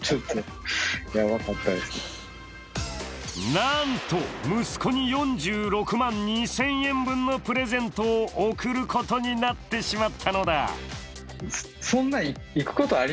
なんと息子に４６万２０００円分のプレゼントを贈ることになってしまったのだ。